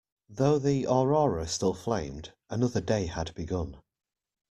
Though the aurora still flamed, another day had begun.